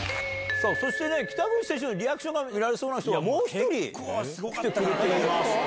さあ、そしてね、北口選手のリアクションが見られそうな人が、もう１人来てくれていますと。